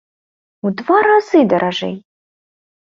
У два разы даражэй!